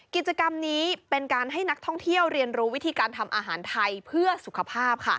กิจกรรมนี้เป็นการให้นักท่องเที่ยวเรียนรู้วิธีการทำอาหารไทยเพื่อสุขภาพค่ะ